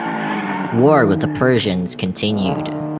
War with the Persians continued.